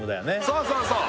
そうそうそう！